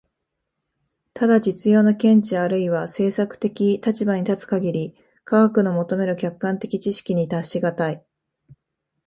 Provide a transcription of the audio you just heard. ただ実用の見地あるいは政策的立場に立つ限り、科学の求める客観的知識に達し難い。